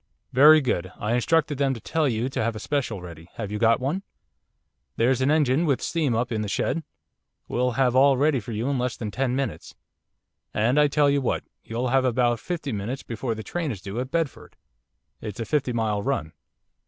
'Very good. I instructed them to tell you to have a special ready, have you got one?' 'There's an engine with steam up in the shed, we'll have all ready for you in less than ten minutes. And I tell you what, you'll have about fifty minutes before the train is due at Bedford. It's a fifty mile run.